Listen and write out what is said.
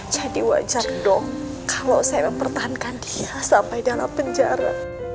jadi wajar dong kalau saya mempertahankan dia sampai dalam penjara